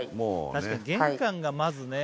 たしかに玄関がまずね。